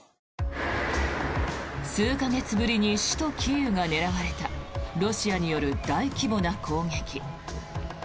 数か月ぶりに首都キーウが狙われたロシアによる大規模な攻撃。